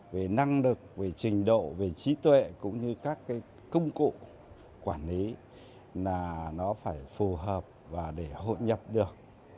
về năng lực về trình độ về trí tuệ cũng như các công cụ quản lý là nó phải phù hợp và để hội nhập được